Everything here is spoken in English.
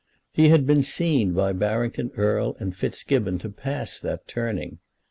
He had been seen by Barrington Erle and Fitzgibbon to pass that turning.